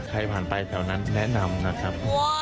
ใครผ่านไปแถวนั้นแนะนำนะครับ